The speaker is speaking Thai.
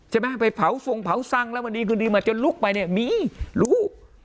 ใช่ไหมไปเผาทรงเผาซังแล้วมันดีคืนดีมาจนลุกไปเนี่ยมีรู้